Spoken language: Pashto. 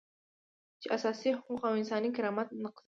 چې اساسي حقوق او انساني کرامت نقضوي.